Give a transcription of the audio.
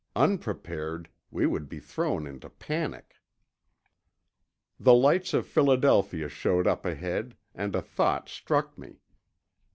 Unprepared, we would be thrown into panic. The lights of Philadelphia showed up ahead, and a thought struck me.